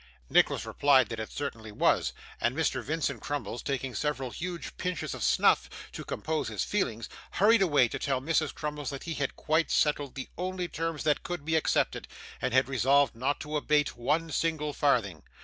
Nicholas replied, that it certainly was; and Mr. Vincent Crummles taking several huge pinches of snuff to compose his feelings, hurried away to tell Mrs. Crummles that he had quite settled the only terms that could be accepted, and had resolved not to abate one single farthing.